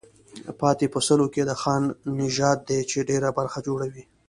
پاتې په سلو کې د خان نژاد دی چې ډېره برخه جوړوي.